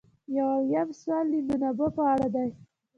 یو اویایم سوال د منابعو په اړه دی.